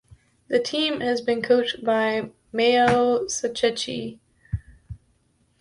The team has been coached by Meo Sacchetti.